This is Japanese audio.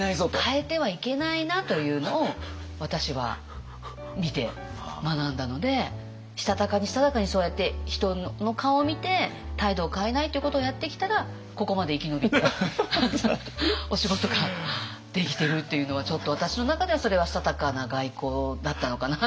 変えてはいけないなというのを私は見て学んだのでしたたかにしたたかにそうやって人の顔を見て態度を変えないということをやってきたらここまで生き延びてお仕事ができているというのはちょっと私の中ではそれはしたたかな外交だったのかなっていう。